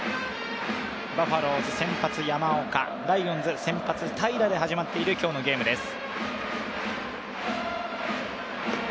バファローズ先発・山岡、ライオンズ先発・平良で始まっている今日のゲームです。